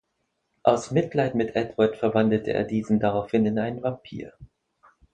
Aus Mitleid mit Edward verwandelte er diesen daraufhin in einen Vampir.